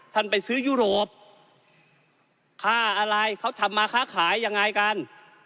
ไปซื้อยุโรปค่าอะไรเขาทำมาค้าขายยังไงกัน